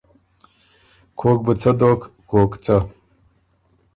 کوک بُو څۀ دوک، کوک څۀ۔